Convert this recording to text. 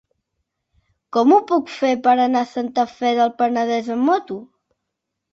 Com ho puc fer per anar a Santa Fe del Penedès amb moto?